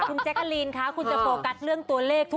คุณแจ๊กกาลีนค่ะคุณจะโปรกัสเรื่องตัวเลขทุกครั้ง